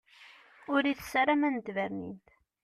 Ur itess ara aman n tbernint.